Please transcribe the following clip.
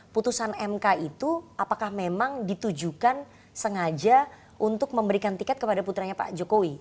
putusan mk itu apakah memang ditujukan sengaja untuk memberikan tiket kepada putranya pak jokowi